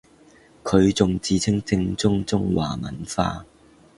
佢仲自稱正宗中華文化